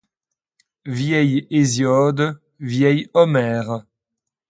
Vieil Hésiode, vieil Homère